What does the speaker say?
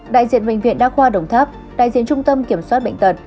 đại diện bệnh viện đa khoa đồng tháp đại diện trung tâm kiểm soát bệnh tật